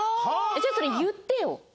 じゃあそれ言ってよ！